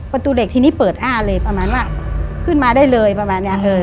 ประตูเด็กทีนี้เปิดอ้าเลยประมาณว่าขึ้นมาได้เลยประมาณเนี้ย